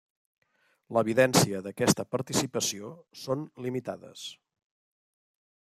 L'evidència d'aquesta participació són limitades.